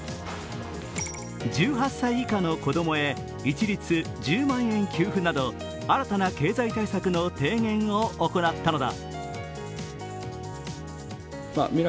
１８歳以下の子供へ一律１０万円の給付など新たな経済対策の提言を行ったのだ。